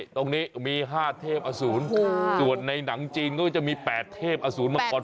ตรงนี้มี๕เทพอสูญส่วนในหนังจีนก็จะมี๘เทพอสูญมาก่อน